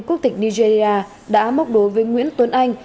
quốc tịch nigeria đã móc đối với nguyễn tuấn anh